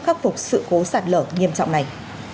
khắc phục sự cố sạt lở nghiêm trọng này